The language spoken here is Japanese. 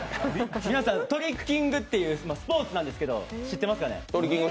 皆さん、トリッキングというスポーツなんですけど知ってますかね？